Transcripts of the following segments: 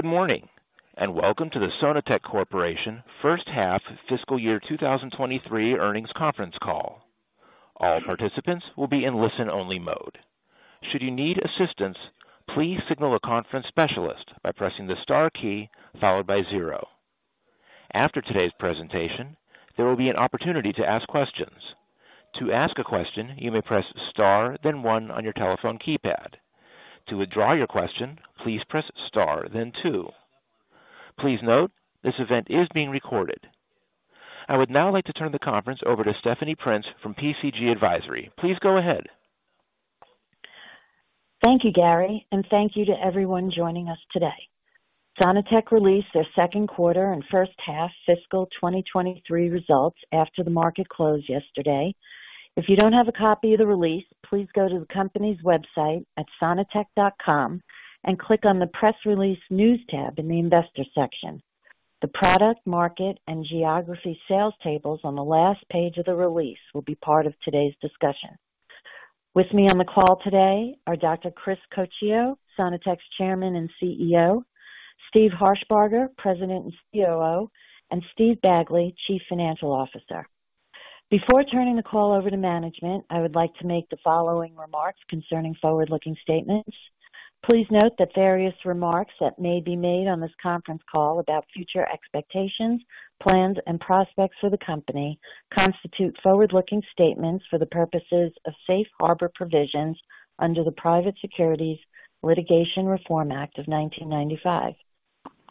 Good morning, and welcome to the Sono-Tek Corporation first half fiscal year 2023 earnings conference call. All participants will be in listen-only mode. Should you need assistance, please signal a conference specialist by pressing the star key followed by zero. After today's presentation, there will be an opportunity to ask questions. To ask a question, you may press star then one on your telephone keypad. To withdraw your question, please press star then two. Please note, this event is being recorded. I would now like to turn the conference over to Stephanie Prince from PCG Advisory. Please go ahead. Thank you, Gary, and thank you to everyone joining us today. Sono-Tek released their second quarter and first half fiscal 2023 results after the market closed yesterday. If you don't have a copy of the release, please go to the company's website at sono-tek.com and click on the Press Release News tab in the Investors section. The product, market, and geography sales tables on the last page of the release will be part of today's discussion. With me on the call today are Dr. Chris Coccio, Sono-Tek's Chairman and CEO, Steve Harshbarger, President and COO, and Steve Bagley, Chief Financial Officer. Before turning the call over to management, I would like to make the following remarks concerning forward-looking statements. Please note that various remarks that may be made on this conference call about future expectations, plans, and prospects for the company constitute forward-looking statements for the purposes of safe harbor provisions under the Private Securities Litigation Reform Act of 1995.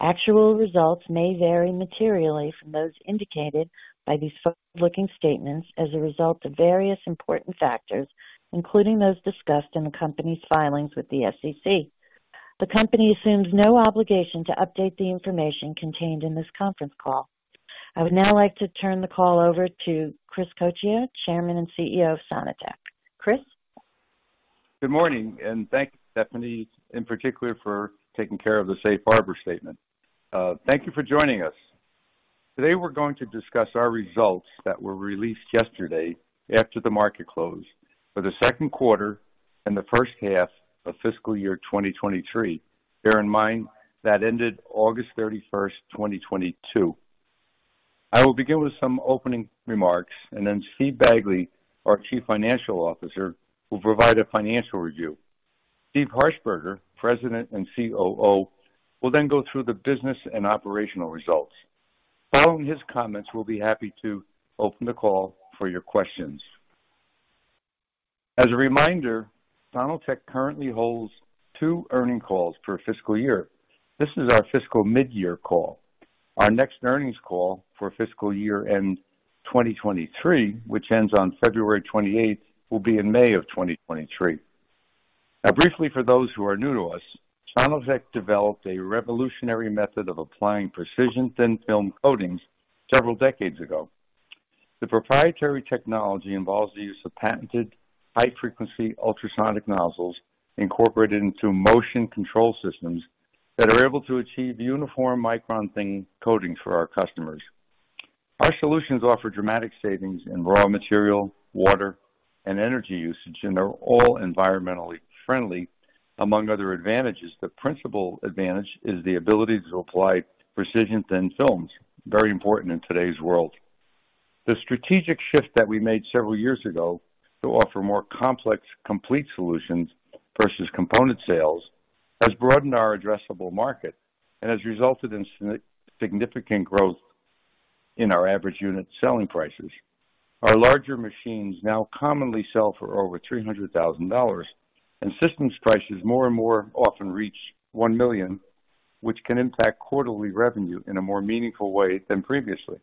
Actual results may vary materially from those indicated by these forward-looking statements as a result of various important factors, including those discussed in the company's filings with the SEC. The company assumes no obligation to update the information contained in this conference call. I would now like to turn the call over to Chris Coccio, Chairman and CEO of Sono-Tek. Chris. Good morning, and thank you, Stephanie, in particular for taking care of the Safe Harbor statement. Thank you for joining us. Today, we're going to discuss our results that were released yesterday after the market closed for the second quarter and the first half of fiscal year 2023. Bear in mind, that ended August 31, 2022. I will begin with some opening remarks, and then Steve Bagley, our Chief Financial Officer, will provide a financial review. Steve Harshbarger, President and COO, will then go through the business and operational results. Following his comments, we'll be happy to open the call for your questions. As a reminder, Sono-Tek currently holds two earnings calls per fiscal year. This is our fiscal mid-year call. Our next earnings call for fiscal year end 2023, which ends on February 28, will be in May of 2023. Now, briefly, for those who are new to us, Sono-Tek developed a revolutionary method of applying precision thin-film coatings several decades ago. The proprietary technology involves the use of patented high-frequency ultrasonic nozzles incorporated into motion control systems that are able to achieve uniform micron thin coatings for our customers. Our solutions offer dramatic savings in raw material, water, and energy usage, and they're all environmentally friendly. Among other advantages, the principal advantage is the ability to apply precision thin films, very important in today's world. The strategic shift that we made several years ago to offer more complex, complete solutions versus component sales has broadened our addressable market and has resulted in significant growth in our average unit selling prices. Our larger machines now commonly sell for over $300,000, and systems prices more and more often reach $1 million, which can impact quarterly revenue in a more meaningful way than previously.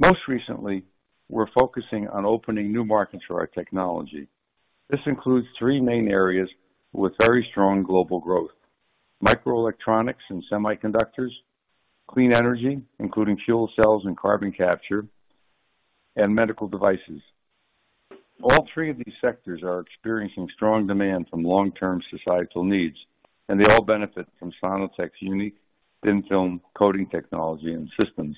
Most recently, we're focusing on opening new markets for our technology. This includes three main areas with very strong global growth, microelectronics and semiconductors, clean energy, including fuel cells and carbon capture, and medical devices. All three of these sectors are experiencing strong demand from long-term societal needs, and they all benefit from Sono-Tek's unique thin-film coating technology and systems.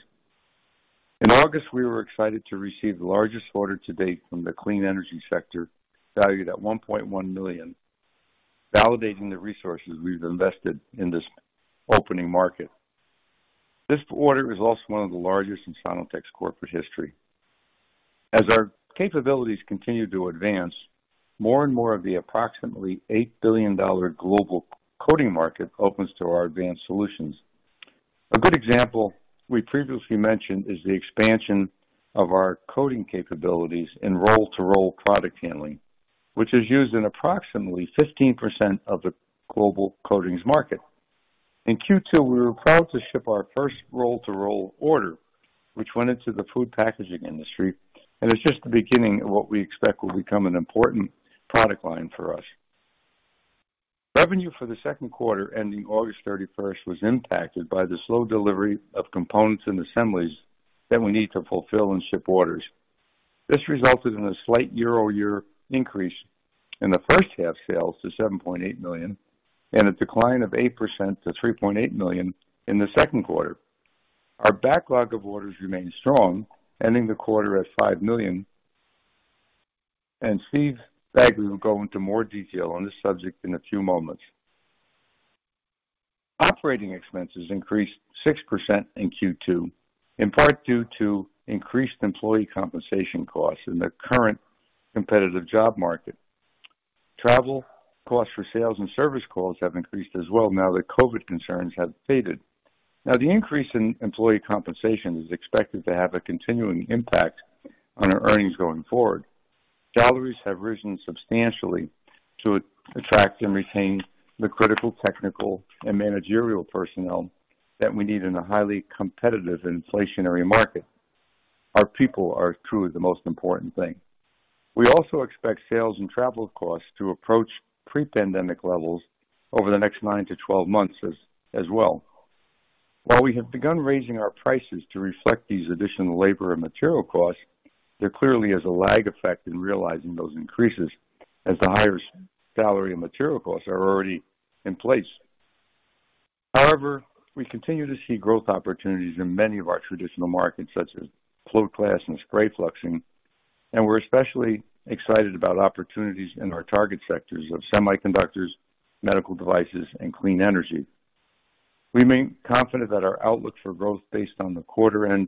In August, we were excited to receive the largest order to date from the clean energy sector, valued at $1.1 million, validating the resources we've invested in this opening market. This order is also one of the largest in Sono-Tek's corporate history. As our capabilities continue to advance, more and more of the approximately $8 billion global coating market opens to our advanced solutions. A good example we previously mentioned is the expansion of our coating capabilities in roll-to-roll product handling, which is used in approximately 15% of the global coatings market. In Q2, we were proud to ship our first roll-to-roll order, which went into the food packaging industry, and it's just the beginning of what we expect will become an important product line for us. Revenue for the second quarter ending August 31 was impacted by the slow delivery of components and assemblies that we need to fulfill and ship orders. This resulted in a slight year-over-year increase in the first half sales to $7.8 million and a decline of 8% to $3.8 million in the second quarter. Our backlog of orders remains strong, ending the quarter at $5 million. Steve Bagley will go into more detail on this subject in a few moments. Operating expenses increased 6% in Q2, in part due to increased employee compensation costs in the current competitive job market. Travel costs for sales and service calls have increased as well now that COVID concerns have faded. Now, the increase in employee compensation is expected to have a continuing impact on our earnings going forward. Salaries have risen substantially to attract and retain the critical technical and managerial personnel that we need in a highly competitive inflationary market. Our people are truly the most important thing. We also expect sales and travel costs to approach pre-pandemic levels over the next nine to 12 months as well. While we have begun raising our prices to reflect these additional labor and material costs, there clearly is a lag effect in realizing those increases as the higher salary and material costs are already in place. However, we continue to see growth opportunities in many of our traditional markets, such as float class and spray fluxing, and we're especially excited about opportunities in our target sectors of semiconductors, medical devices, and clean energy. We remain confident that our outlook for growth based on the quarter-end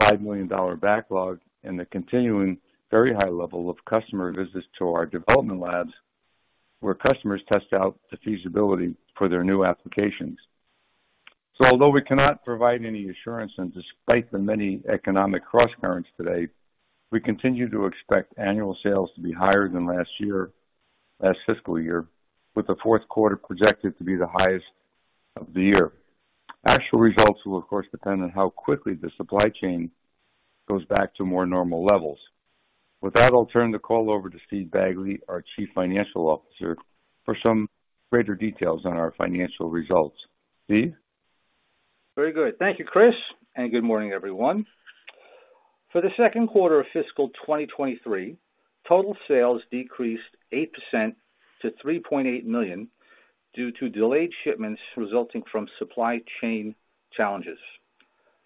$5 million backlog and the continuing very high level of customer visits to our development labs, where customers test out the feasibility for their new applications. Although we cannot provide any assurance and despite the many economic crosscurrents today, we continue to expect annual sales to be higher than last year, last fiscal year, with the fourth quarter projected to be the highest of the year. Actual results will, of course, depend on how quickly the supply chain goes back to more normal levels. With that, I'll turn the call over to Steve Bagley, our Chief Financial Officer, for some greater details on our financial results. Steve? Very good. Thank you, Chris, and good morning, everyone. For the second quarter of fiscal 2023, total sales decreased 8% to $3.8 million due to delayed shipments resulting from supply chain challenges.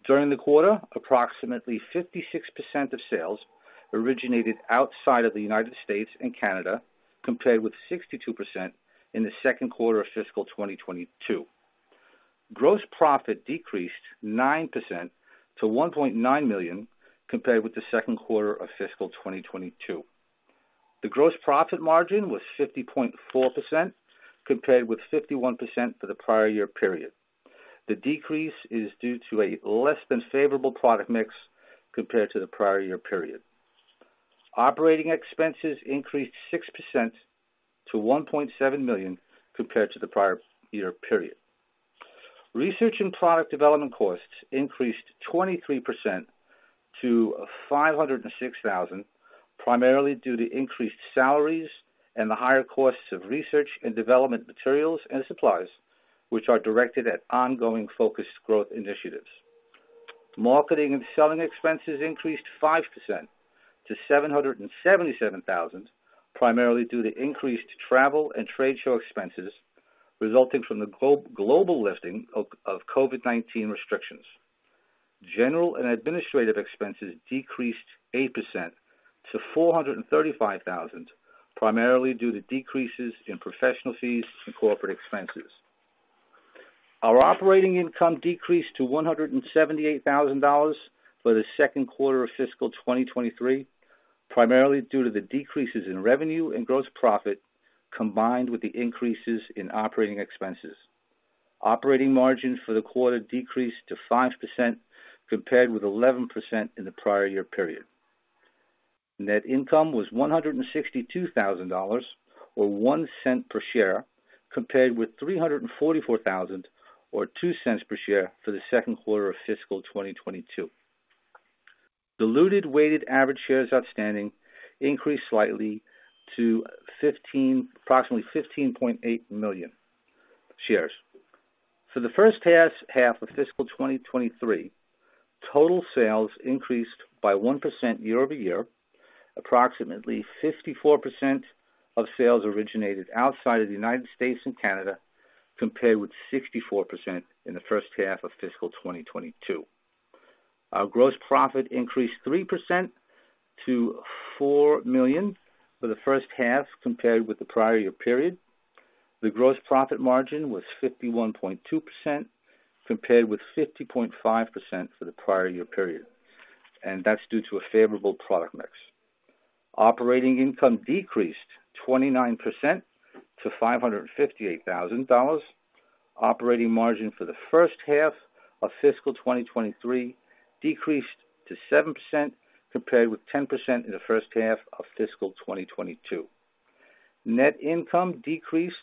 During the quarter, approximately 56% of sales originated outside of the United States and Canada, compared with 62% in the second quarter of fiscal 2022. Gross profit decreased 9% to $1.9 million compared with the second quarter of fiscal 2022. The gross profit margin was 50.4% compared with 51% for the prior year period. The decrease is due to a less than favorable product mix compared to the prior year period. Operating expenses increased 6% to $1.7 million compared to the prior year period. Research and product development costs increased 23% to $506 thousand, primarily due to increased salaries and the higher costs of research and development materials and supplies, which are directed at ongoing focused growth initiatives. Marketing and selling expenses increased 5% to $777 thousand, primarily due to increased travel and trade show expenses resulting from the global lifting of COVID-19 restrictions. General and administrative expenses decreased 8% to $435 thousand, primarily due to decreases in professional fees and corporate expenses. Our operating income decreased to $178 thousand for the second quarter of fiscal 2023, primarily due to the decreases in revenue and gross profit combined with the increases in operating expenses. Operating margins for the quarter decreased to 5% compared with 11% in the prior year period. Net income was $162,000 or $0.01 per share, compared with $344,000 or $0.02 per share for the second quarter of fiscal 2022. Diluted weighted average shares outstanding increased slightly to approximately 15.8 million shares. For the first half of fiscal 2023, total sales increased by 1% year-over-year. Approximately 54% of sales originated outside of the United States and Canada, compared with 64% in the first half of fiscal 2022. Our gross profit increased 3% to $4 million for the first half compared with the prior year period. The gross profit margin was 51.2% compared with 50.5% for the prior year period, and that's due to a favorable product mix. Operating income decreased 29% to $558,000. Operating margin for the first half of fiscal 2023 decreased to 7% compared with 10% in the first half of fiscal 2022. Net income decreased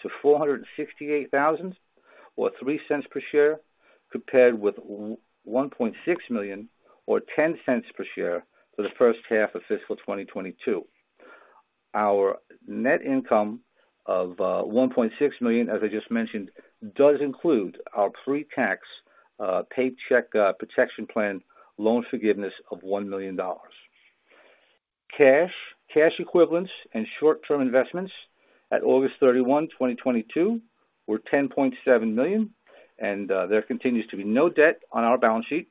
to $468,000 or $0.03 per share, compared with $1.6 million or $0.10 per share for the first half of fiscal 2022. Our net income of $1.6 million, as I just mentioned, does include our pre-tax Paycheck Protection Program loan forgiveness of $1 million. Cash equivalents and short-term investments at August 31, 2022 were $10.7 million, and there continues to be no debt on our balance sheet.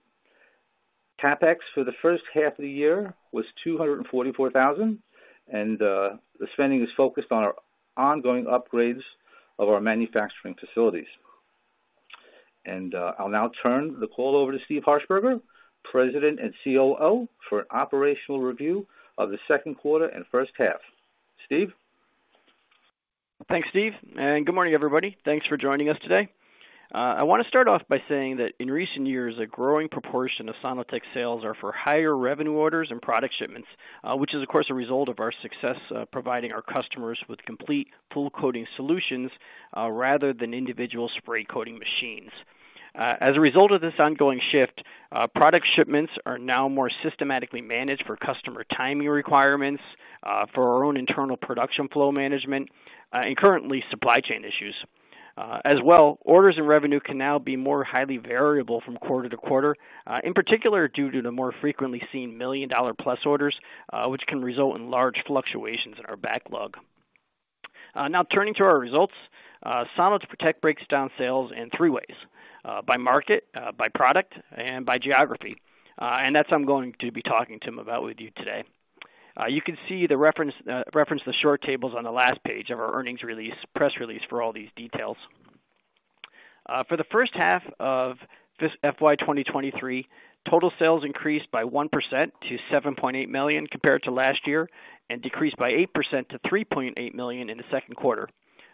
CapEx for the first half of the year was $244,000, and the spending is focused on our ongoing upgrades of our manufacturing facilities. I'll now turn the call over to Steve Harshbarger, President and COO, for an operational review of the second quarter and first half. Steve. Thanks, Steve, and good morning, everybody. Thanks for joining us today. I wanna start off by saying that in recent years, a growing proportion of Sono-Tek sales are for higher revenue orders and product shipments, which is of course a result of our success, providing our customers with complete full coating solutions, rather than individual spray coating machines. As a result of this ongoing shift, product shipments are now more systematically managed for customer timing requirements, for our own internal production flow management, and current supply chain issues. As well, orders and revenue can now be more highly variable from quarter to quarter, in particular, due to the more frequently seen million-dollar-plus orders, which can result in large fluctuations in our backlog. Now turning to our results, Sono-Tek breaks down sales in three ways, by market, by product, and by geography, and that's what I'm going to be talking about with you today. You can reference the short tables on the last page of our earnings press release for all these details. For the first half of this FY 2023, total sales increased by 1% to $7.8 million compared to last year, and decreased by 8% to $3.8 million in the second quarter.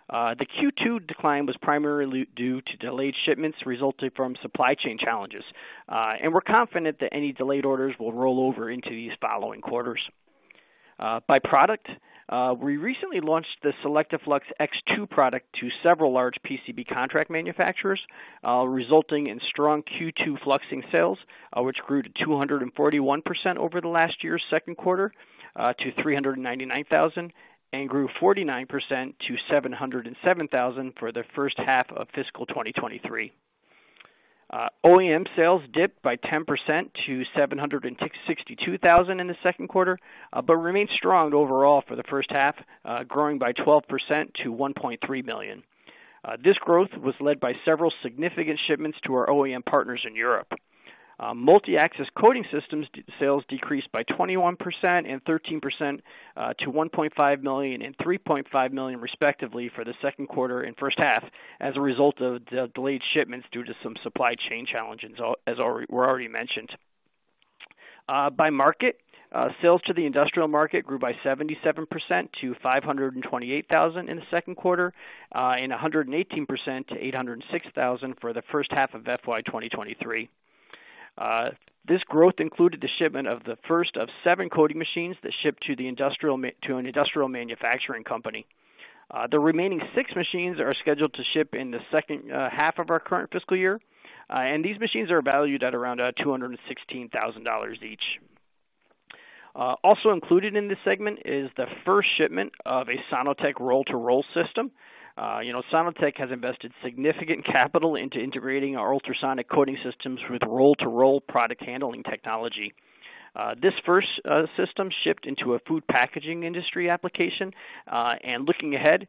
The Q2 decline was primarily due to delayed shipments resulting from supply chain challenges. We're confident that any delayed orders will roll over into these following quarters. By product, we recently launched the SelectaFlux X2 product to several large PCB contract manufacturers, resulting in strong Q2 fluxing sales, which grew 241% over last year's second quarter to $399,000, and grew 49% to $707,000 for the first half of fiscal 2023. OEM sales dipped 10% to $762,000 in the second quarter, but remained strong overall for the first half, growing 12% to $1.3 million. This growth was led by several significant shipments to our OEM partners in Europe. Multi-axis coating systems sales decreased by 21% and 13% to $1.5 million and $3.5 million respectively for the second quarter and first half as a result of the delayed shipments due to some supply chain challenges, as already mentioned. By market, sales to the industrial market grew by 77% to $528 thousand in the second quarter, and 118% to $806 thousand for the first half of FY 2023. This growth included the shipment of the first of seven coating machines that ship to an industrial manufacturing company. The remaining six machines are scheduled to ship in the second half of our current fiscal year, and these machines are valued at around $216,000 each. Also included in this segment is the first shipment of a Sono-Tek roll-to-roll system. You know, Sono-Tek has invested significant capital into integrating our ultrasonic coating systems with roll-to-roll product handling technology. This first system shipped into a food packaging industry application. Looking ahead,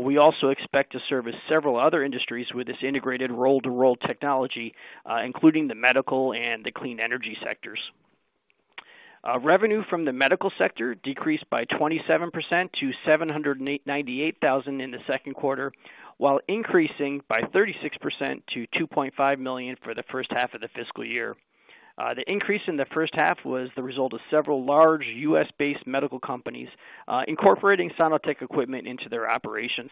we also expect to service several other industries with this integrated roll-to-roll technology, including the medical and the clean energy sectors. Revenue from the medical sector decreased by 27% to $798,000 in the second quarter, while increasing by 36% to $2.5 million for the first half of the fiscal year. The increase in the first half was the result of several large U.S.-based medical companies incorporating Sono-Tek equipment into their operations.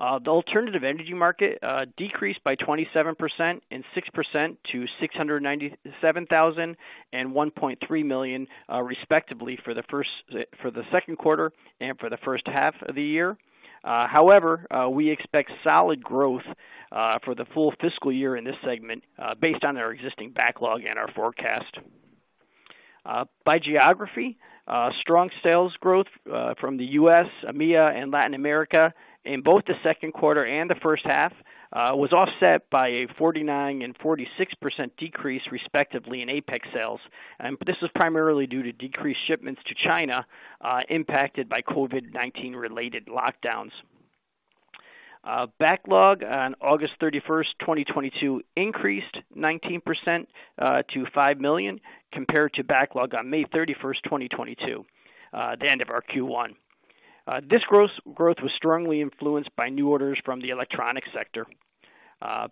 The alternative energy market decreased by 27% and 6% to $697,000 and $1.3 million, respectively for the second quarter and for the first half of the year. However, we expect solid growth for the full fiscal year in this segment based on our existing backlog and our forecast. By geography, strong sales growth from the U.S., EMEA, and Latin America in both the second quarter and the first half was offset by a 49% and 46% decrease, respectively, in APAC sales. This was primarily due to decreased shipments to China impacted by COVID-19 related lockdowns. Backlog on August 31st, 2022 increased 19% to $5 million compared to backlog on May 31st, 2022, the end of our Q1. This growth was strongly influenced by new orders from the electronics sector.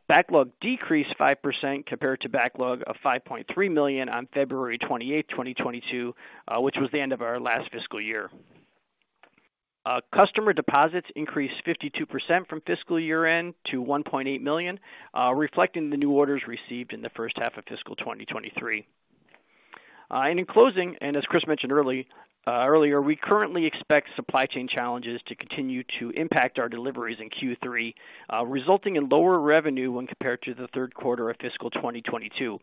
Backlog decreased 5% compared to backlog of $5.3 million on February 28, 2022, which was the end of our last fiscal year. Customer deposits increased 52% from fiscal year-end to $1.8 million, reflecting the new orders received in the first half of fiscal 2023. In closing, as Chris mentioned earlier, we currently expect supply chain challenges to continue to impact our deliveries in Q3, resulting in lower revenue when compared to the third quarter of fiscal 2022.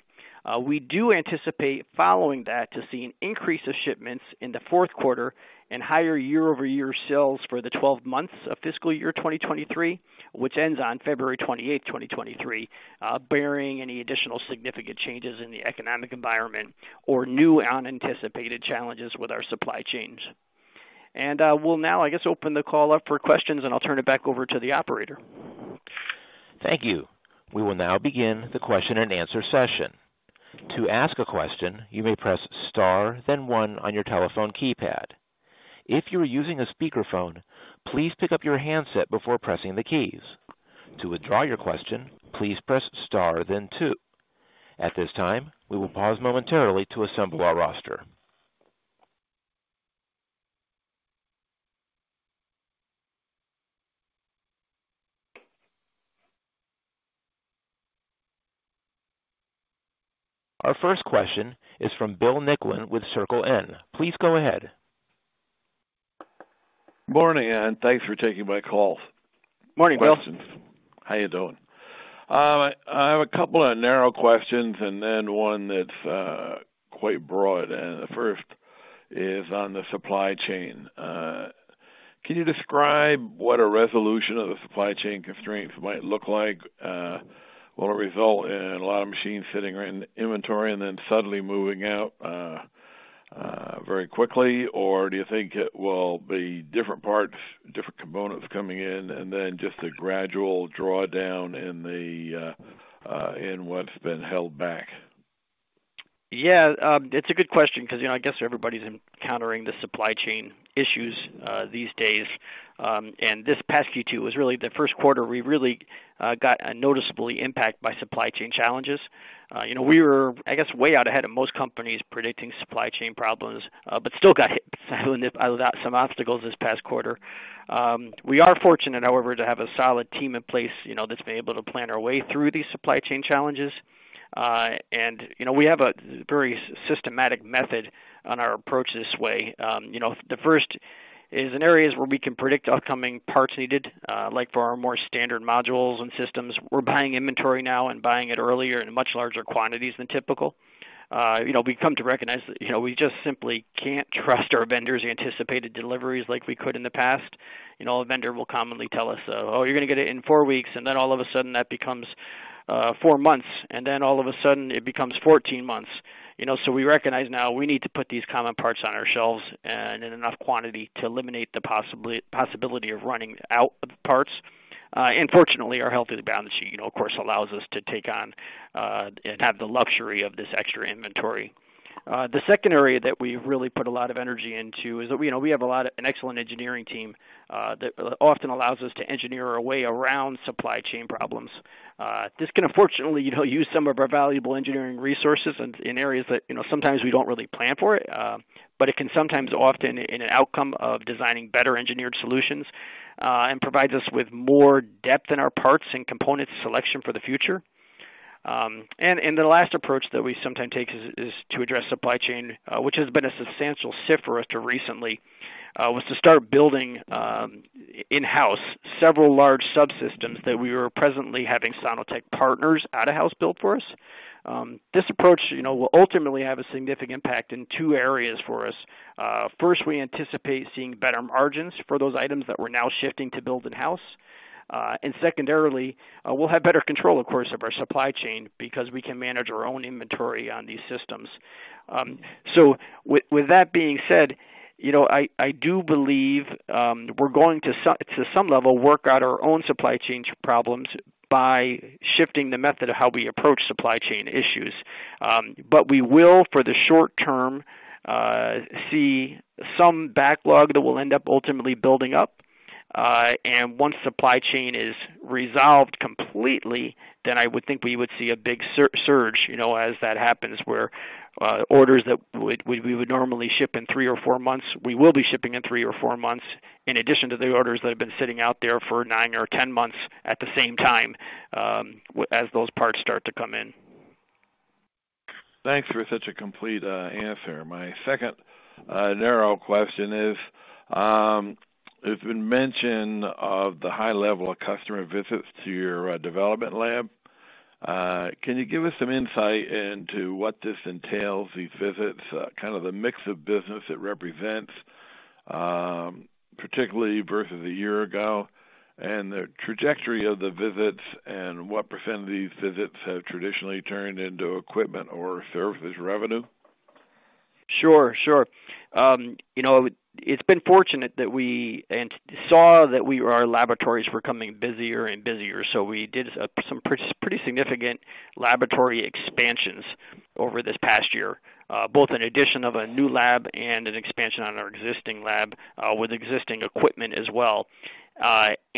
We do anticipate following that to see an increase of shipments in the fourth quarter and higher year-over-year sales for the twelve months of fiscal year 2023, which ends on February 28, 2023, bearing any additional significant changes in the economic environment or new unanticipated challenges with our supply chains. We'll now, I guess, open the call up for questions, and I'll turn it back over to the operator. Thank you. We will now begin the question and answer session. To ask a question, you may press star then one on your telephone keypad. If you are using a speakerphone, please pick up your handset before pressing the keys. To withdraw your question, please press star then two. At this time, we will pause momentarily to assemble our roster. Our first question is from Bill Nicklin with Circle N. Please go ahead. Morning, and thanks for taking my call. Morning, Bill. How you doing? I have a couple of narrow questions and then one that's quite broad. The first is on the supply chain. Can you describe what a resolution of the supply chain constraints might look like? Will it result in a lot of machines sitting right in inventory and then suddenly moving out very quickly? Or do you think it will be different parts, different components coming in and then just a gradual drawdown in what's been held back? It's a good question because, you know, I guess everybody's encountering the supply chain issues these days. This past Q2 was really the first quarter we really got noticeably impacted by supply chain challenges. You know, we were, I guess, way out ahead of most companies predicting supply chain problems but still got hit with some obstacles this past quarter. We are fortunate, however, to have a solid team in place, you know, that's been able to plan our way through these supply chain challenges. You know, we have a very systematic method on our approach this way. You know, the first is in areas where we can predict upcoming parts needed like for our more standard modules and systems. We're buying inventory now and buying it earlier in much larger quantities than typical. You know, we've come to recognize that, you know, we just simply can't trust our vendors' anticipated deliveries like we could in the past. You know, a vendor will commonly tell us, "Oh, you're gonna get it in four weeks." All of a sudden that becomes four months, and then all of a sudden it becomes 14 months. You know, we recognize now we need to put these common parts on our shelves and in enough quantity to eliminate the possibility of running out of parts. Fortunately, our healthy balance sheet, you know, of course, allows us to take on and have the luxury of this extra inventory. The second area that we've really put a lot of energy into is that, you know, we have a lot of... an excellent engineering team that often allows us to engineer our way around supply chain problems. This can unfortunately, you know, use some of our valuable engineering resources in areas that, you know, sometimes we don't really plan for it, but it can sometimes be an outcome of designing better engineered solutions, and provides us with more depth in our parts and components selection for the future. The last approach that we sometimes take is to address supply chain, which has been a substantial shift for us recently, was to start building in-house several large subsystems that we were presently having Sono-Tek partners out-of-house build for us. This approach, you know, will ultimately have a significant impact in two areas for us. First, we anticipate seeing better margins for those items that we're now shifting to build in-house. Secondarily, we'll have better control, of course, of our supply chain because we can manage our own inventory on these systems. With that being said, you know, I do believe we're going to some level, work out our own supply chain problems by shifting the method of how we approach supply chain issues. We will, for the short term, see some backlog that will end up ultimately building up. Once supply chain is resolved completely, then I would think we would see a big surge, you know, as that happens, where orders that we would normally ship in three or four months, we will be shipping in three or four months, in addition to the orders that have been sitting out there for 9 or 10 months at the same time, as those parts start to come in. Thanks for such a complete answer. My second narrow question is, there's been mention of the high level of customer visits to your development lab. Can you give us some insight into what this entails, these visits, kind of the mix of business it represents, particularly versus a year ago, and the trajectory of the visits and what percentage of these visits have traditionally turned into equipment or service revenue? Sure, sure. You know, it's been fortunate that we saw that our laboratories were coming busier and busier, so we did some pretty significant laboratory expansions over this past year, both an addition of a new lab and an expansion on our existing lab with existing equipment as well.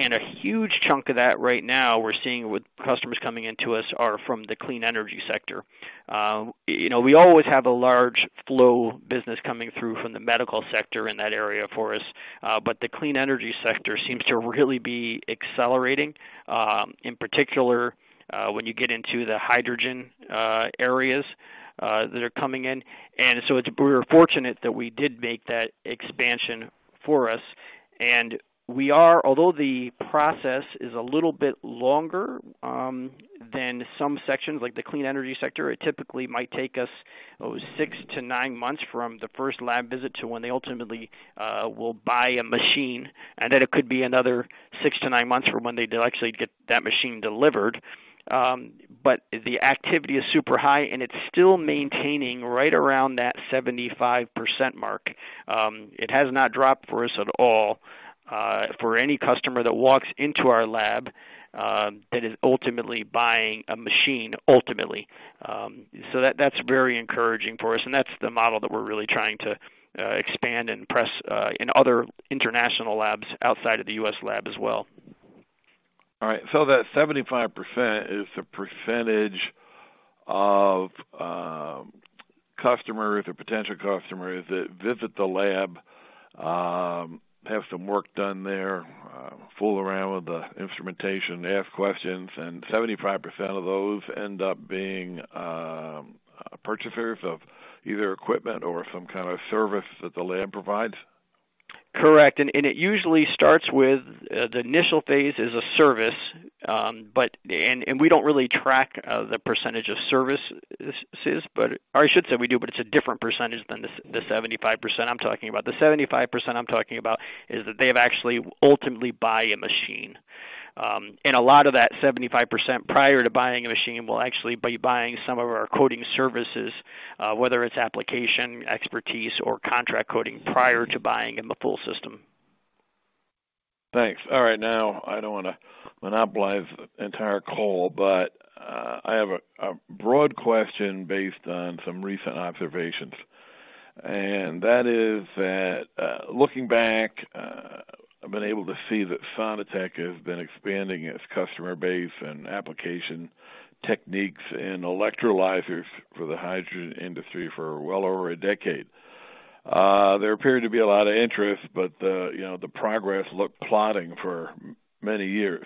A huge chunk of that right now we're seeing with customers coming into us are from the clean energy sector. You know, we always have a large flow business coming through from the medical sector in that area for us. But the clean energy sector seems to really be accelerating, in particular, when you get into the hydrogen areas that are coming in. We're fortunate that we did make that expansion for us. Although the process is a little bit longer than some sectors, like the clean energy sector, it typically might take us 6-9 months from the first lab visit to when they ultimately will buy a machine. Then it could be another 6-9 months from when they'd actually get that machine delivered. The activity is super high, and it's still maintaining right around that 75% mark. It has not dropped for us at all. For any customer that walks into our lab and is ultimately buying a machine. That's very encouraging for us, and that's the model that we're really trying to expand and press in other international labs outside of the U.S. lab as well. All right. That 75% is the percentage of customers or potential customers that visit the lab, have some work done there, fool around with the instrumentation, they ask questions, and 75% of those end up being purchasers of either equipment or some kind of service that the lab provides? Correct. It usually starts with the initial phase is a service. We don't really track the percentage of services, but, or I should say we do, but it's a different percentage than the 75% I'm talking about. The 75% I'm talking about is that they've actually ultimately buy a machine. A lot of that 75% prior to buying a machine will actually be buying some of our coating services, whether it's application, expertise, or contract coating prior to buying in the full system. Thanks. All right. Now, I don't wanna monopolize the entire call, but I have a broad question based on some recent observations. That is that, looking back, I've been able to see that Sono-Tek has been expanding its customer base and application techniques and electrolyzers for the hydrogen industry for well over a decade. There appeared to be a lot of interest, but the, you know, the progress looked plodding for many years.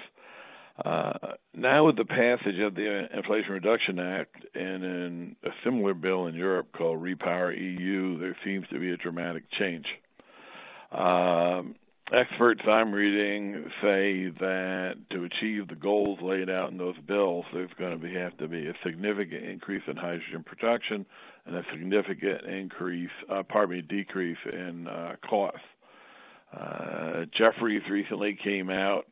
Now with the passage of the Inflation Reduction Act and in a similar bill in Europe called REPowerEU, there seems to be a dramatic change. Experts I'm reading say that to achieve the goals laid out in those bills, there's gonna have to be a significant increase in hydrogen production and a significant increase, pardon me, decrease in cost. Jefferies recently came out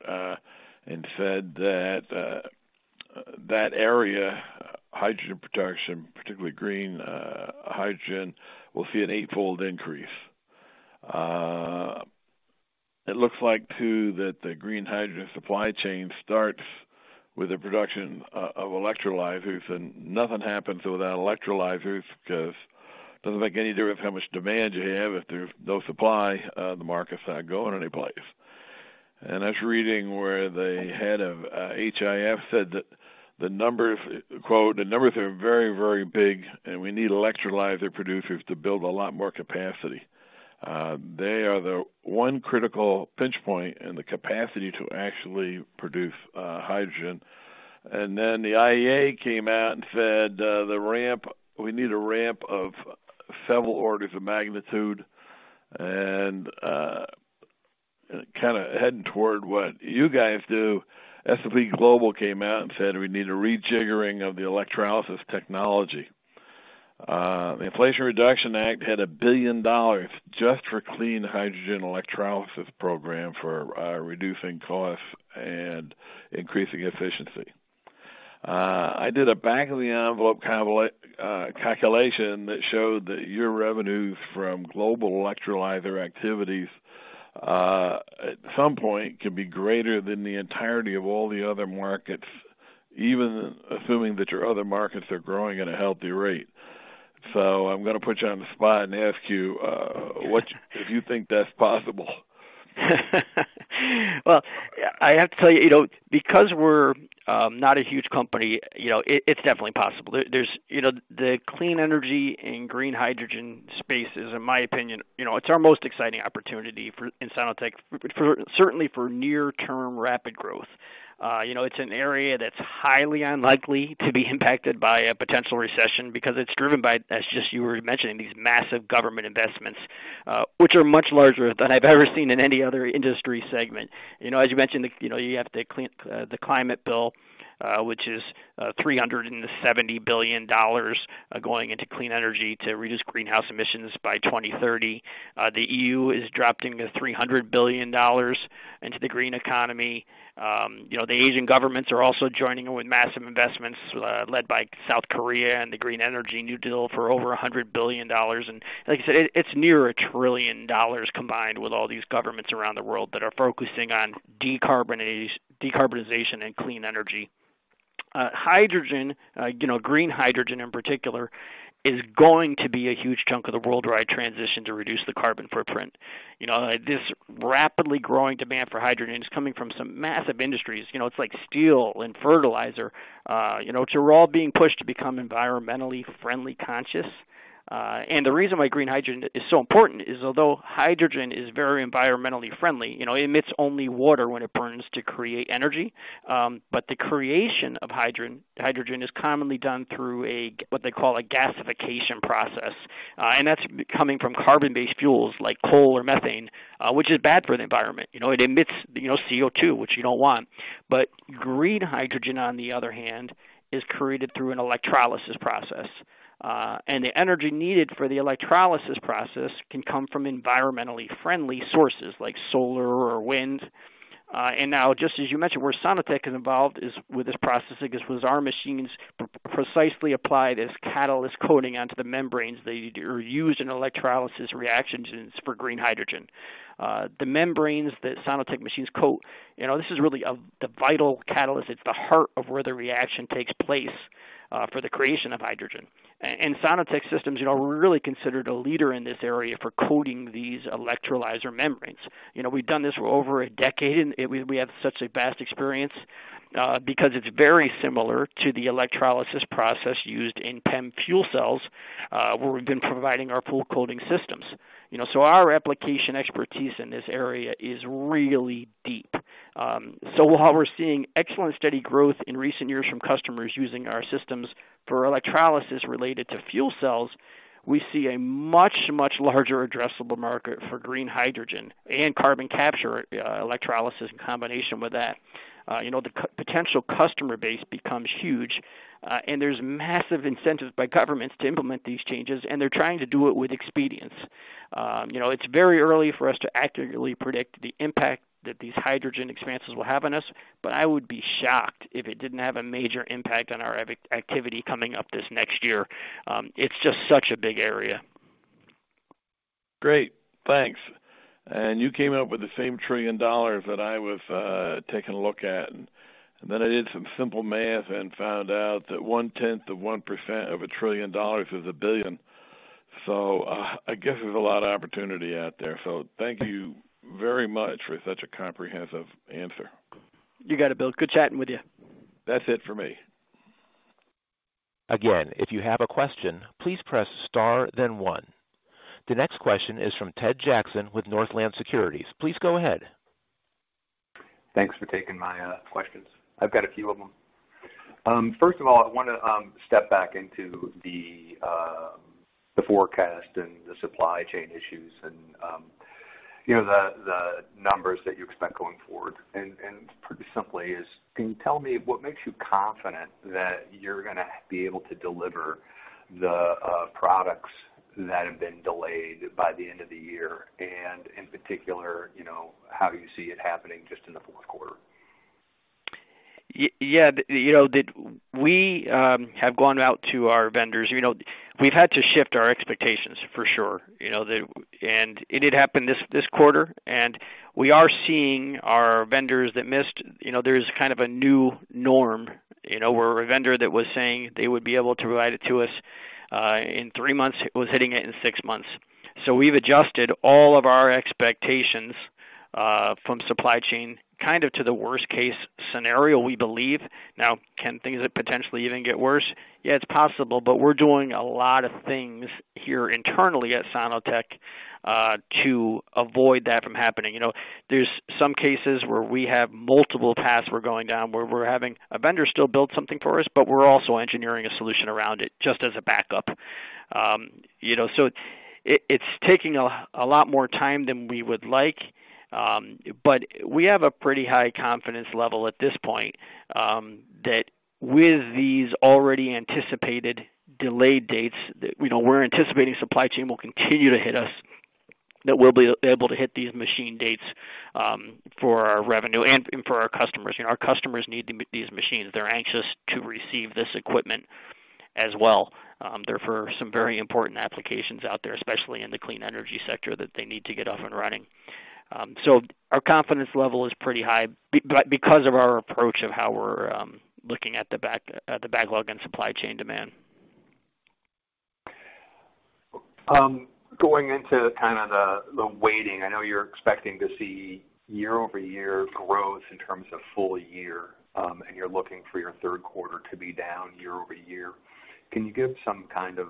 and said that that area, hydrogen production, particularly green hydrogen, will see an eight-fold increase. It looks like, too, that the green hydrogen supply chain starts with the production of electrolyzers, and nothing happens without electrolyzers because doesn't make any difference how much demand you have. If there's no supply, the market's not going anyplace. I was reading where the head of HIF said that the numbers, quote, "The numbers are very, very big, and we need electrolyzer producers to build a lot more capacity." They are the one critical pinch point in the capacity to actually produce hydrogen. The IEA came out and said the ramp, we need a ramp of several orders of magnitude. Kinda heading toward what you guys do, S&P Global came out and said we need a rejiggering of the electrolysis technology. The Inflation Reduction Act had $1 billion just for clean hydrogen electrolysis program for reducing costs and increasing efficiency. I did a back of the envelope calculation that showed that your revenues from global electrolyzer activities at some point could be greater than the entirety of all the other markets, even assuming that your other markets are growing at a healthy rate. I'm gonna put you on the spot and ask you if you think that's possible. Well, I have to tell you know, because we're not a huge company, you know, it's definitely possible. There's, you know, the clean energy and green hydrogen space is, in my opinion, you know, it's our most exciting opportunity for Sono-Tek, certainly for near-term rapid growth. You know, it's an area that's highly unlikely to be impacted by a potential recession because it's driven by, as just you were mentioning, these massive government investments, which are much larger than I've ever seen in any other industry segment. You know, as you mentioned, you know, you have the climate bill, which is $370 billion going into clean energy to reduce greenhouse emissions by 2030. The EU is dropping $300 billion into the green economy. You know, the Asian governments are also joining in with massive investments, led by South Korea and the Green New Deal for over $100 billion. Like I said, it's near $1 trillion combined with all these governments around the world that are focusing on decarbonization and clean energy. Hydrogen, you know, green hydrogen in particular, is going to be a huge chunk of the worldwide transition to reduce the carbon footprint. You know, this rapidly growing demand for hydrogen is coming from some massive industries. You know, it's like steel and fertilizer, you know, which are all being pushed to become environmentally friendly conscious. The reason why green hydrogen is so important is, although hydrogen is very environmentally friendly, you know, it emits only water when it burns to create energy, but the creation of hydrogen is commonly done through what they call a gasification process. That's coming from carbon-based fuels like coal or methane, which is bad for the environment. You know, it emits, you know, CO2, which you don't want. Green hydrogen, on the other hand, is created through an electrolysis process. The energy needed for the electrolysis process can come from environmentally friendly sources like solar or wind. Now, just as you mentioned, where Sono-Tek is involved is with this process, I guess, with our machines precisely apply the catalyst coating onto the membranes. They are used in electrolysis reactions for green hydrogen. The membranes that Sono-Tek machines coat, you know, this is really the vital catalyst. It's the heart of where the reaction takes place for the creation of hydrogen. Sono-Tek systems, you know, we're really considered a leader in this area for coating these electrolyzer membranes. You know, we've done this for over a decade, and we have such a vast experience because it's very similar to the electrolysis process used in PEM fuel cells where we've been providing our full coating systems. You know, our application expertise in this area is really deep. While we're seeing excellent steady growth in recent years from customers using our systems for electrolysis related to fuel cells, we see a much, much larger addressable market for green hydrogen and carbon capture electrolysis in combination with that. You know, the huge potential customer base becomes huge, and there's massive incentives by governments to implement these changes, and they're trying to do it with expedience. You know, it's very early for us to accurately predict the impact that these hydrogen expansions will have on us, but I would be shocked if it didn't have a major impact on our activity coming up this next year. It's just such a big area. Great. Thanks. You came up with the same $1 trillion that I was taking a look at. I did some simple math and found out that one tenth of 1% of $1 trillion is $1 billion. I guess there's a lot of opportunity out there. Thank you very much for such a comprehensive answer. You got it, Bill. Good chatting with you. That's it for me. Again, if you have a question, please press star then one. The next question is from Ted Jackson with Northland Securities. Please go ahead. Thanks for taking my questions. I've got a few of them. First of all, I wanna step back into the forecast and the supply chain issues and, you know, the numbers that you expect going forward. Pretty simply, can you tell me what makes you confident that you're gonna be able to deliver the products that have been delayed by the end of the year, and in particular, you know, how you see it happening just in the fourth quarter? Yeah. You know, we have gone out to our vendors. You know, we've had to shift our expectations for sure, you know. It did happen this quarter, and we are seeing our vendors that missed. You know, there's kind of a new norm, you know, where a vendor that was saying they would be able to provide it to us in three months was hitting it in six months. We've adjusted all of our expectations from supply chain kind of to the worst case scenario, we believe. Now, can things potentially even get worse? Yeah, it's possible, but we're doing a lot of things here internally at Sono-Tek to avoid that from happening. You know, there's some cases where we have multiple paths we're going down, where we're having a vendor still build something for us, but we're also engineering a solution around it just as a backup. You know, it's taking a lot more time than we would like, but we have a pretty high confidence level at this point, that with these already anticipated delayed dates that, you know, we're anticipating supply chain will continue to hit us, that we'll be able to hit these machine dates, for our revenue and for our customers. You know, our customers need these machines. They're anxious to receive this equipment as well. They're for some very important applications out there, especially in the clean energy sector, that they need to get up and running. Our confidence level is pretty high because of our approach of how we're looking at the backlog and supply chain demand. Going into kind of the weighting, I know you're expecting to see year-over-year growth in terms of full year, and you're looking for your third quarter to be down year-over-year. Can you give some kind of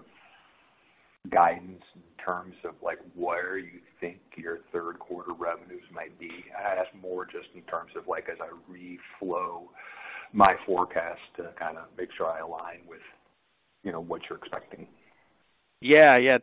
guidance in terms of like, where you think your third quarter revenues might be? I ask more just in terms of like, as I reflow my forecast to kind of make sure I align with, you know, what you're expecting. Yeah, yeah.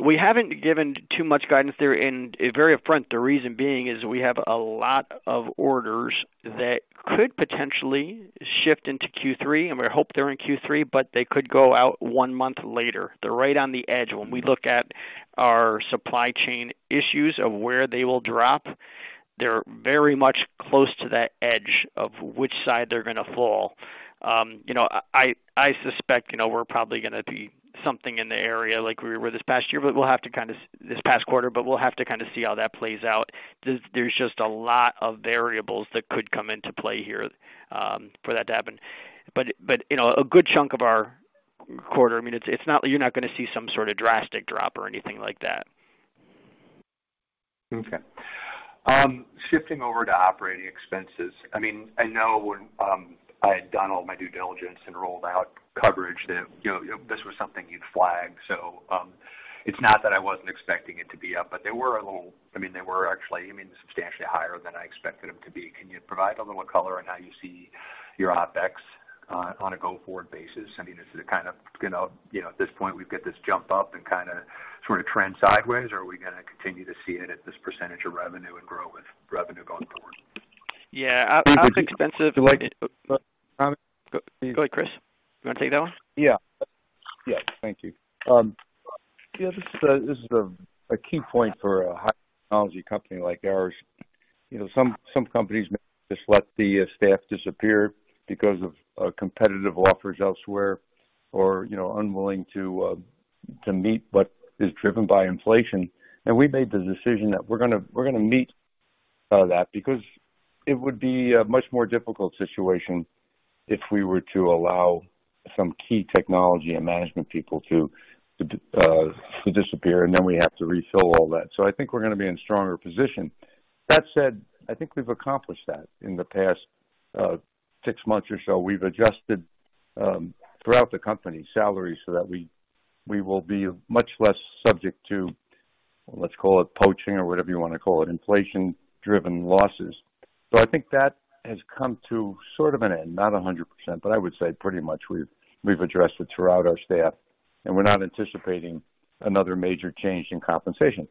We haven't given too much guidance there. Very upfront, the reason being is we have a lot of orders that could potentially shift into Q3, and we hope they're in Q3, but they could go out one month later. They're right on the edge. When we look at our supply chain issues of where they will drop, they're very much close to that edge of which side they're gonna fall. You know, I suspect, you know, we're probably gonna be something in the area like we were this past quarter, but we'll have to kind of see how that plays out. There's just a lot of variables that could come into play here, for that to happen. You know, a good chunk of our quarter, I mean, it's not like you're not gonna see some sort of drastic drop or anything like that. Okay. Shifting over to operating expenses. I mean, I know when I had done all my due diligence and rolled out coverage that, you know, this was something you'd flag. It's not that I wasn't expecting it to be up, but they were actually substantially higher than I expected them to be. Can you provide a little color on how you see your OpEx on a go-forward basis? I mean, is it kind of, you know, at this point, we've got this jump up and kinda sort of trend sideways, or are we gonna continue to see it at this percentage of revenue and grow with revenue going forward? Yeah, I think. Would you like to comment? Go ahead, Chris. You want to take that one? Yeah. Yeah, thank you. Yeah, this is a key point for a high technology company like ours. You know, some companies may just let the staff disappear because of competitive offers elsewhere or, you know, unwilling to meet what is driven by inflation. We made the decision that we're gonna meet that because it would be a much more difficult situation if we were to allow some key technology and management people to disappear, and then we have to refill all that. I think we're gonna be in stronger position. That said, I think we've accomplished that in the past six months or so. We've adjusted throughout the company salaries so that we will be much less subject to, let's call it poaching or whatever you wanna call it, inflation-driven losses. I think that has come to sort of an end, not 100%, but I would say pretty much we've addressed it throughout our staff, and we're not anticipating another major change in compensation.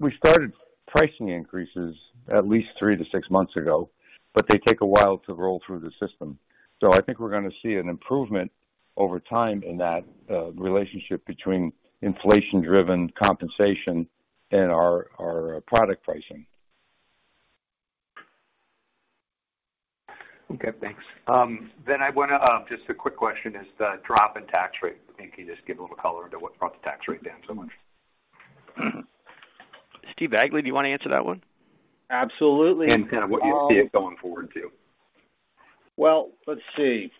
We started pricing increases at least 3-6 months ago, but they take a while to roll through the system. I think we're gonna see an improvement over time in that relationship between inflation-driven compensation and our product pricing. Okay, thanks. I wanna just a quick question. Is the drop in tax rate? Can you just give a little color into what brought the tax rate down so much? Steve Bagley, do you wanna answer that one? Absolutely. Kind of what you see it going forward, too. Well, let's see.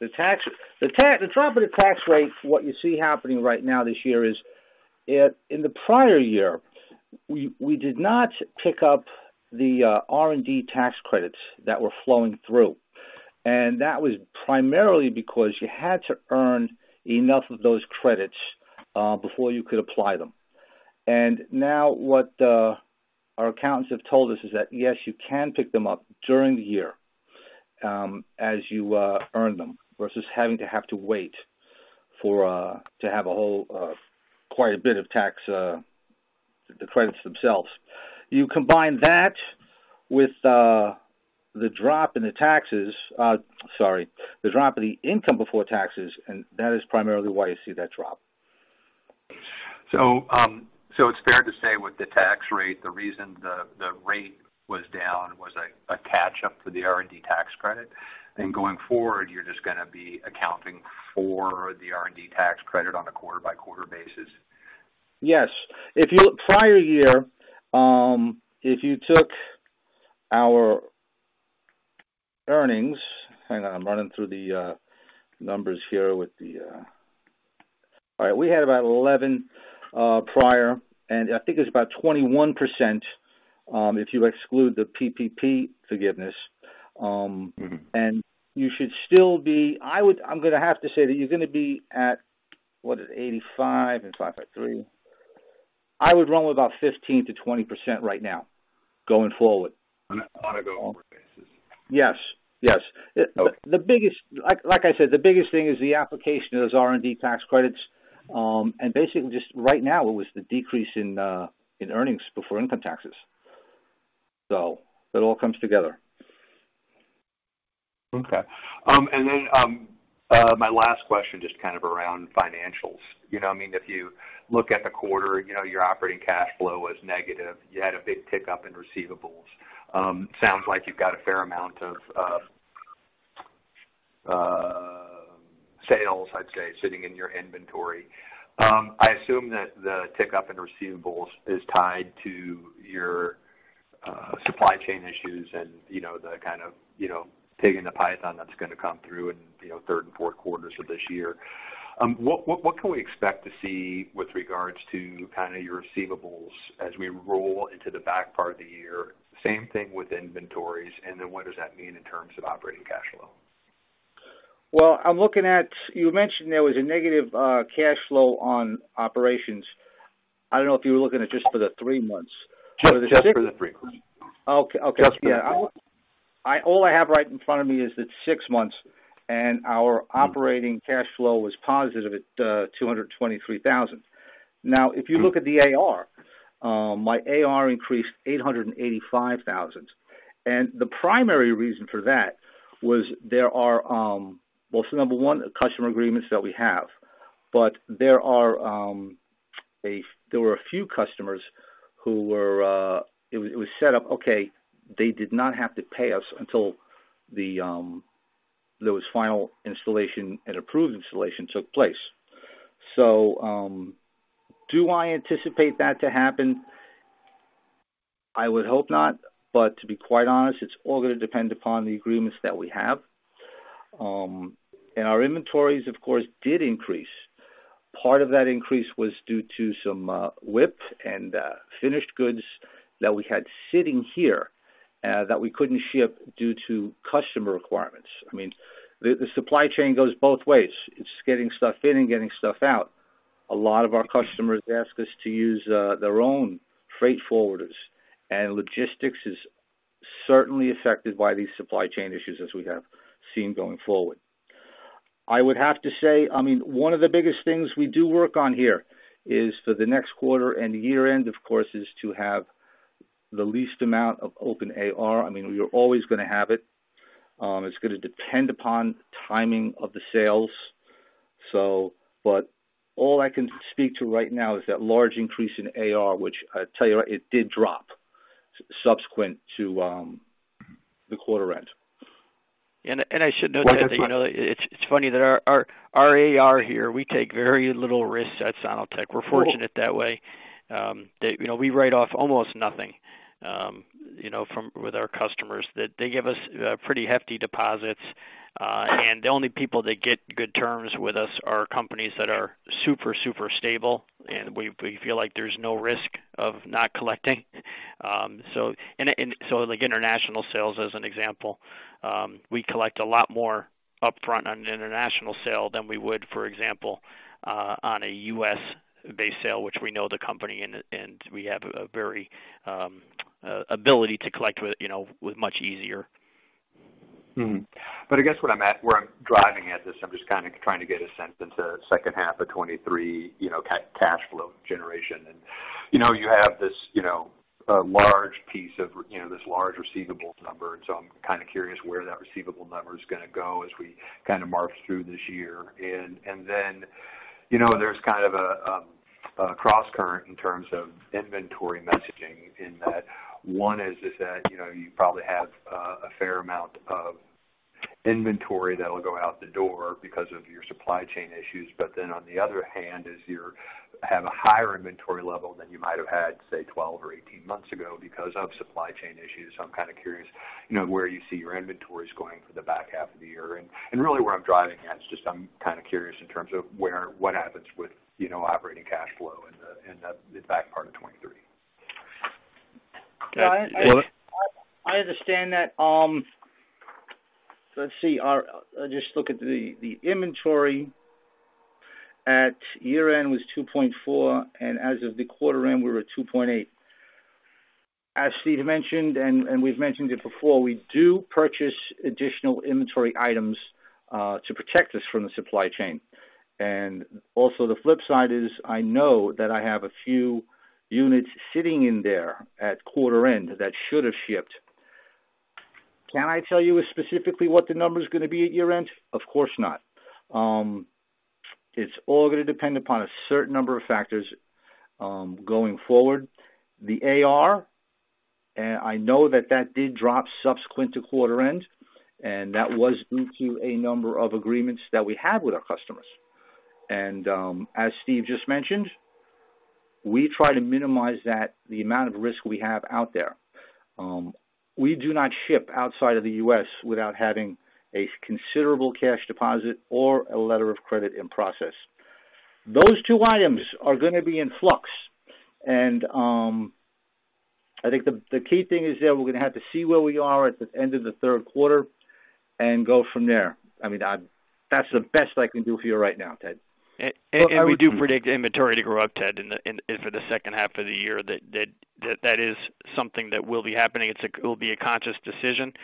The drop in the tax rate, what you see happening right now this year is, in the prior year, we did not pick up the R&D tax credits that were flowing through. That was primarily because you had to earn enough of those credits before you could apply them. Now, what our accountants have told us is that, yes, you can pick them up during the year as you earn them, versus having to wait to have a whole quite a bit of the tax credits themselves. You combine that with the drop in the income before taxes, and that is primarily why you see that drop. It's fair to say with the tax rate, the reason the rate was down was a catch up for the R&D tax credit. Going forward, you're just gonna be accounting for the R&D tax credit on a quarter by quarter basis. Yes. If you look prior year, if you took our earnings. Hang on. I'm running through the numbers here with the. All right, we had about 11 prior, and I think it was about 21%, if you exclude the PPP forgiveness. Mm-hmm. You should still be. I'm gonna have to say that you're gonna be at what is 85 and 5.3. I would run with about 15%-20% right now, going forward. On a go-forward basis. Yes, yes. Okay. Like I said, the biggest thing is the application of those R&D tax credits. Basically just right now, it was the decrease in earnings before income taxes. It all comes together. Okay. My last question, just kind of around financials. You know, I mean, if you look at the quarter, you know, your operating cash flow was negative. You had a big tick-up in receivables. Sounds like you've got a fair amount of sales, I'd say, sitting in your inventory. I assume that the tick-up in receivables is tied to your supply chain issues and, you know, the kind of pig in the python that's gonna come through in third and fourth quarters of this year. What can we expect to see with regards to kind of your receivables as we roll into the back part of the year? Same thing with inventories, and then what does that mean in terms of operating cash flow? Well, I'm looking at. You mentioned there was a negative cash flow on operations. I don't know if you were looking at just for the three months. Just for the three months. Okay. Okay. Just for the three months. Yeah. I all I have right in front of me is the six months, and our operating cash flow was positive at $223,000. Now, if you look at the AR, my AR increased $885,000. The primary reason for that was there are. Well, number one, customer agreements that we have. There were a few customers who were. It was set up, okay, they did not have to pay us until there was final installation, an approved installation took place. Do I anticipate that to happen? I would hope not, but to be quite honest, it's all gonna depend upon the agreements that we have. Our inventories, of course, did increase. Part of that increase was due to some WIP and finished goods that we had sitting here that we couldn't ship due to customer requirements. I mean, the supply chain goes both ways. It's getting stuff in and getting stuff out. A lot of our customers ask us to use their own freight forwarders, and logistics is certainly affected by these supply chain issues as we have seen going forward. I would have to say, I mean, one of the biggest things we do work on here is for the next quarter and year end, of course, to have the least amount of open AR. I mean, we are always gonna have it. It's gonna depend upon timing of the sales. All I can speak to right now is that large increase in AR, which I tell you, it did drop subsequent to the quarter end. I should note that, you know, it's funny that our AR here, we take very little risks at Sono-Tek. We're fortunate that way, that, you know, we write off almost nothing from with our customers. They give us pretty hefty deposits. The only people that get good terms with us are companies that are super stable, and we feel like there's no risk of not collecting. Like international sales as an example, we collect a lot more upfront on an international sale than we would, for example, on a U.S.-based sale, which we know the company and we have a very ability to collect with, you know, with much easier. I guess what I'm at, where I'm driving at this, I'm just kinda trying to get a sense into second half of 2023, you know, cash flow generation. You have this, you know, a large piece of, you know, this large receivables number. I'm kinda curious where that receivable number is gonna go as we kinda march through this year. You know, there's kind of a cross current in terms of inventory messaging in that one is that, you know, you probably have a fair amount of inventory that will go out the door because of your supply chain issues. On the other hand, as you're have a higher inventory level than you might have had, say, 12 or 18 months ago because of supply chain issues. I'm kinda curious, you know, where you see your inventories going for the back half of the year. Really where I'm driving at is just I'm kinda curious in terms of what happens with, you know, operating cash flow in the back part of 2023. Yeah. I understand that. Let's see. I just look at the inventory at year end was $2.4, and as of the quarter end, we were at $2.8. As Steve mentioned, and we've mentioned it before, we do purchase additional inventory items to protect us from the supply chain. Also the flip side is I know that I have a few units sitting in there at quarter end that should have shipped. Can I tell you specifically what the number's gonna be at year end? Of course not. It's all gonna depend upon a certain number of factors going forward. The AR I know that that did drop subsequent to quarter end, and that was due to a number of agreements that we had with our customers. As Steve just mentioned, we try to minimize that, the amount of risk we have out there. We do not ship outside of the U.S. without having a considerable cash deposit or a letter of credit in process. Those two items are gonna be in flux. I think the key thing is that we're gonna have to see where we are at the end of the third quarter and go from there. I mean, that's the best I can do for you right now, Ted. We do predict inventory to grow up, Ted, in for the second half of the year. That is something that will be happening. It's. It will be a conscious decision.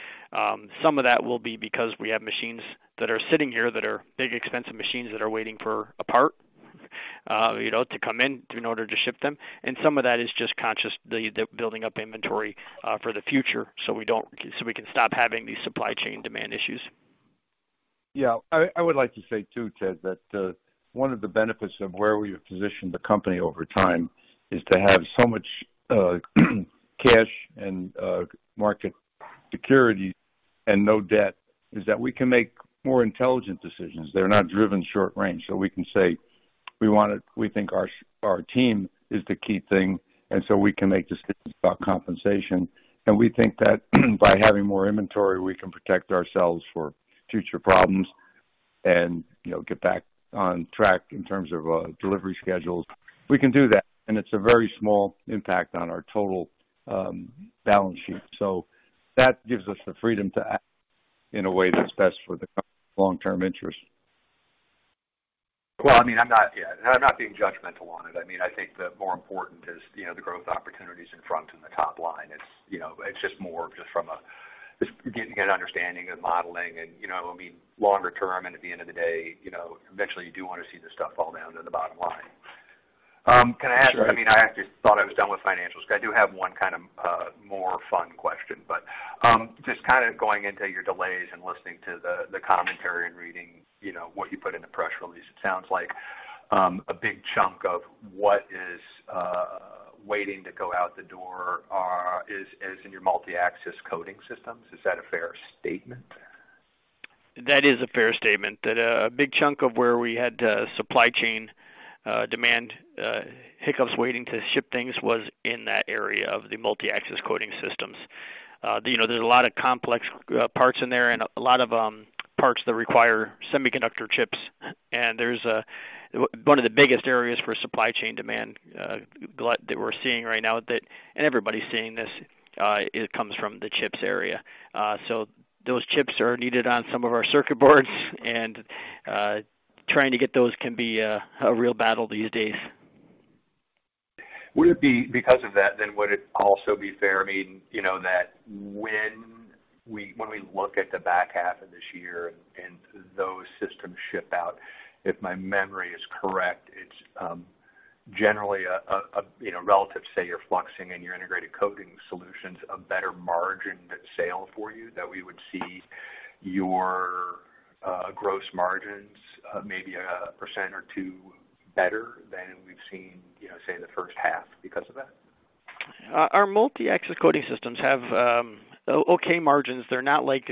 Some of that will be because we have machines that are sitting here that are big, expensive machines that are waiting for a part, you know, to come in in order to ship them. Some of that is just conscious, the building up inventory, for the future, so we can stop having these supply chain demand issues. Yeah. I would like to say too, Ted, that one of the benefits of where we have positioned the company over time is to have so much cash and marketable securities and no debt, is that we can make more intelligent decisions. They're not driven short range. We can say we think our team is the key thing, and so we can make decisions about compensation. We think that by having more inventory, we can protect ourselves for future problems and, you know, get back on track in terms of delivery schedules. We can do that, and it's a very small impact on our total balance sheet. That gives us the freedom to act in a way that's best for the company's long-term interest. Well, I mean, I'm not, yeah, I'm not being judgmental on it. I mean, I think the more important is, you know, the growth opportunities in front and the top line. It's, you know, it's just more from just getting an understanding of modeling and, you know, I mean, longer term, and at the end of the day, you know, eventually you do wanna see this stuff fall down to the bottom line. Can I ask? Sure. I mean, I actually thought I was done with financials. I do have one kind of more fun question. Just kind of going into your delays and listening to the commentary and reading, you know, what you put in the press release, it sounds like a big chunk of what is waiting to go out the door is in your multi-axis coating systems. Is that a fair statement? That is a fair statement. That's a big chunk of where we had supply chain and demand hiccups waiting to ship things was in that area of the multi-axis coating systems. You know, there's a lot of complex parts in there and a lot of parts that require semiconductor chips. There's one of the biggest areas for supply chain and demand glut that we're seeing right now, and everybody's seeing this. It comes from the chips area. Those chips are needed on some of our circuit boards, and trying to get those can be a real battle these days. Would it be because of that? Then would it also be fair, I mean, you know, that when we look at the back half of this year and those systems ship out, if my memory is correct, it's generally a relatively, say, your fluxing and your integrated coating solutions, a better margin sale for you that we would see your gross margins maybe 1% or 2% better than we've seen, you know, say, in the first half because of that? Our multi-axis coating systems have okay margins. They're not like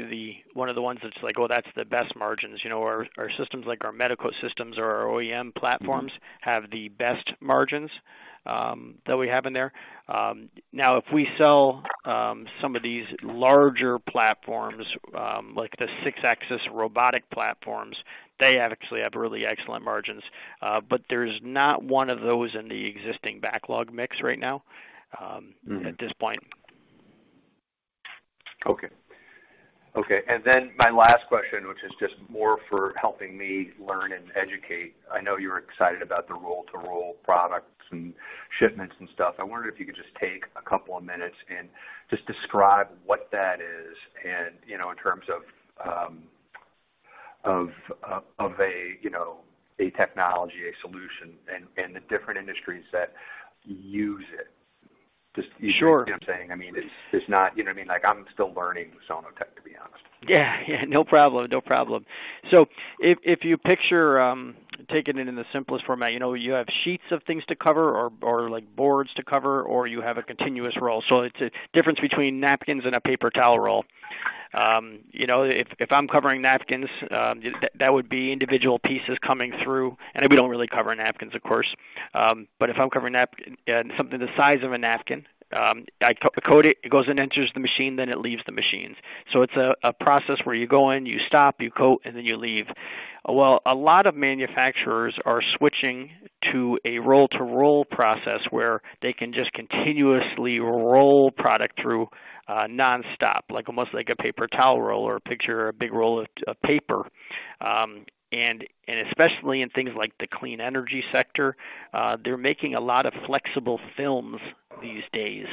one of the ones that's like, well, that's the best margins. You know, our systems like our medical systems or our OEM platforms have the best margins that we have in there. Now, if we sell some of these larger platforms like the six-axis robotic platforms, they actually have really excellent margins. But there's not one of those in the existing backlog mix right now at this point. Okay. Okay. My last question, which is just more for helping me learn and educate. I know you're excited about the roll-to-roll products and shipments and stuff. I wondered if you could just take a couple of minutes and just describe what that is and, you know, in terms of a, you know, a technology, a solution, and the different industries that use it. Sure. You see what I'm saying? I mean, you know what I mean? Like, I'm still learning Sono-Tek, to be honest. Yeah. No problem. If you picture taking it in the simplest format, you know, you have sheets of things to cover or like boards to cover, or you have a continuous roll. It's a difference between napkins and a paper towel roll. You know, if I'm covering napkins, that would be individual pieces coming through. We don't really cover napkins, of course. If I'm covering something the size of a napkin, I coat it goes and enters the machine, then it leaves the machine. It's a process where you go in, you stop, you coat, and then you leave. Well, a lot of manufacturers are switching to a roll-to-roll process where they can just continuously roll product through, nonstop, like, almost like a paper towel roll or picture a big roll of paper. Especially in things like the clean energy sector, they're making a lot of flexible films these days.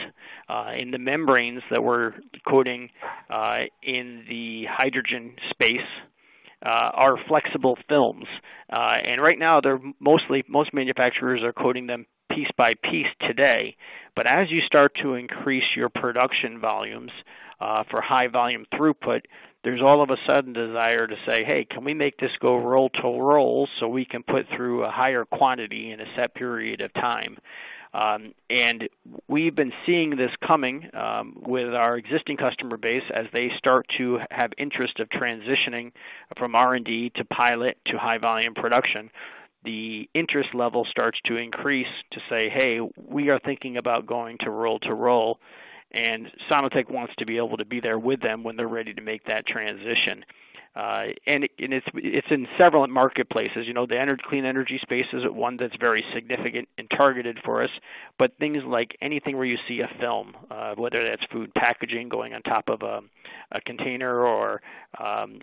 The membranes that we're coating in the hydrogen space are flexible films. Right now most manufacturers are coating them piece by piece today. As you start to increase your production volumes for high volume throughput, there's all of a sudden desire to say, "Hey, can we make this go roll-to-roll so we can put through a higher quantity in a set period of time?" We've been seeing this coming with our existing customer base. As they start to have interest of transitioning from R&D to pilot to high volume production, the interest level starts to increase to say, "Hey, we are thinking about going to roll-to-roll." Sono-Tek wants to be able to be there with them when they're ready to make that transition. It's in several marketplaces. You know, the clean energy space is one that's very significant and targeted for us. Things like anything where you see a film, whether that's food packaging going on top of a container or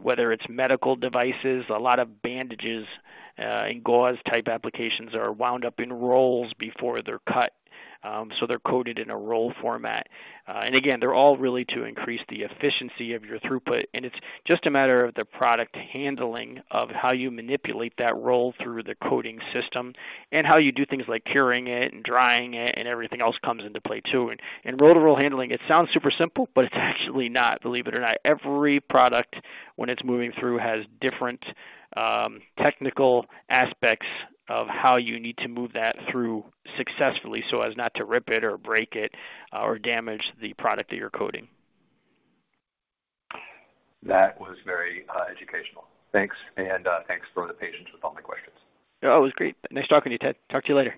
whether it's medical devices, a lot of bandages, and gauze type applications are wound up in rolls before they're cut, so they're coated in a roll format. again, they're all really to increase the efficiency of your throughput, and it's just a matter of the product handling of how you manipulate that roll through the coating system and how you do things like curing it and drying it and everything else comes into play, too. Roll-to-roll handling, it sounds super simple, but it's actually not. Believe it or not, every product when it's moving through has different, technical aspects of how you need to move that through successfully so as not to rip it or break it or damage the product that you're coating. That was very educational. Thanks. Thanks for the patience with all my questions. No, it was great. Nice talking to you, Ted. Talk to you later.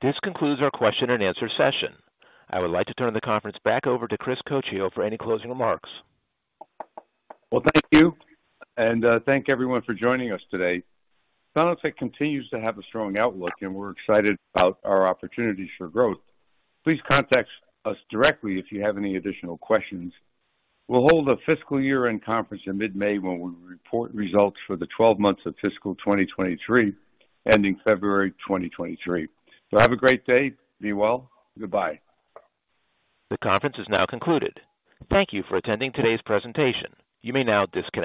This concludes our question and answer session. I would like to turn the conference back over to Chris Coccio for any closing remarks. Well, thank you, and thank everyone for joining us today. Sono-Tek continues to have a strong outlook, and we're excited about our opportunities for growth. Please contact us directly if you have any additional questions. We'll hold a fiscal year-end conference in mid-May when we report results for the twelve months of fiscal 2023, ending February 2023. Have a great day. Be well. Goodbye. The conference is now concluded. Thank you for attending today's presentation. You may now disconnect.